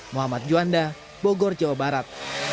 muhammad juanda bogor jawa barat